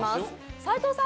齋藤さん。